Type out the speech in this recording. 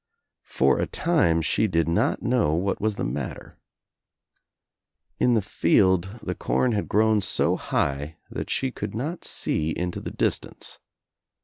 For a time she did not know what was the matter. In the field THE NEW ENGLANDER »45 the Corn had grown so high that she could not see into\ the distance.